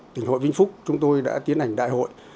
tỉnh hội vĩnh phúc chúng tôi đã tiến hành đại hội